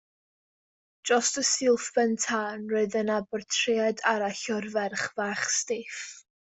Dros y silff ben tân roedd yna bortread arall o'r ferch fach stiff.